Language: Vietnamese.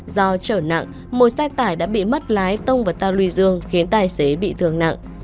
do trở nặng một xe tải đã bị mất lái tông vào tàu lùi dương khiến tài xế bị thương nặng